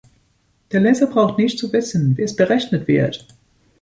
Der Leser braucht nicht zu wissen, wie es berechnet wird.